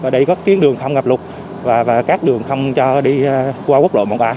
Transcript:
để có kiến đường không ngập lục và các đường không cho đi qua quốc lộ một a